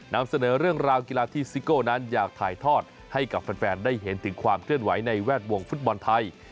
นำเสนอเรื่องราวกีฬาที่ซิโก้นั้นอยากถ่ายทอดให้กับแฟนได้เห็นถึงความเคลื่อนไหวในแวดวงฟุตบอลไทย